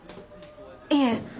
いえ。